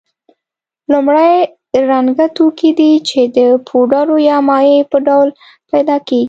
لومړی رنګه توکي دي چې د پوډرو یا مایع په ډول پیدا کیږي.